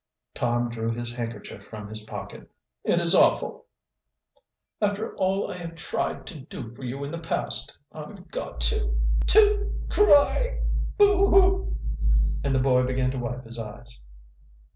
Tom drew his handkerchief from his pocket. "It is awful, after all I have tried to do for you in the past. I've got to to cry! Boo hoo!" And the boy began to wipe his eyes.